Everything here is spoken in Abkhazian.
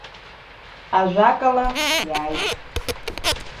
Ажәакала, иааит!